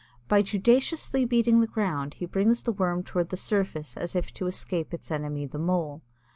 By judiciously beating the ground he brings the Worm toward the surface as if to escape its enemy, the Mole.